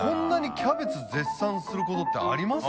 キャベツ絶賛することってあります？